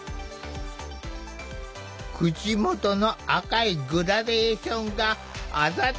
口元の赤いグラデーションがあざと